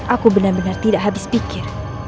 aku benar benar tidak habis pikir